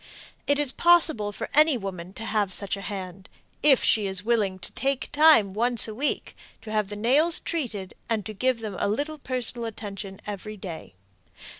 It is possible for any woman to have such a hand if she is willing to take time once a week to have the nails treated and to give them a little personal attention each day.